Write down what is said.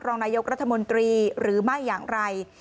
รองนายกรัฐมนตรีหรือไม่อย่างไร